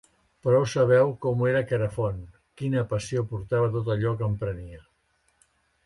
Prou sabeu com era Querefont, quina passió portava a tot allò que emprenia.